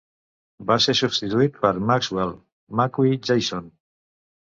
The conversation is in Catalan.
Va ser substituït per Maxwell "Mackie" Jayson.